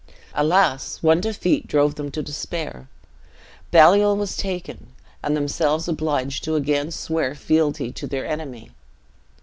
Alas! one defeat drove them to despair. Baliol was taken, and themselves obliged to again swear fealty to their enemy.